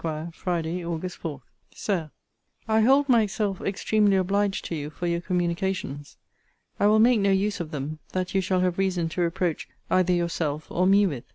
FRIDAY, AUG. 4. SIR, I hold myself extremely obliged to you for your communications. I will make no use of them, that you shall have reason to reproach either yourself or me with.